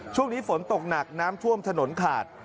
ช่วงนี้ฝนตกหนักน้ำท่วมถนนขาด